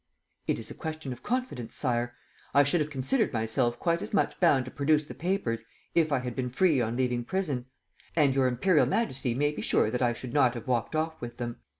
"It is a question of confidence, Sire. I should have considered myself quite as much bound to produce the papers if I had been free on leaving prison; and Your Imperial Majesty may be sure that I should not have walked off with them.